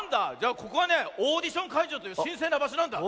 ここはねオーディションかいじょうというしんせいなばしょなんだ。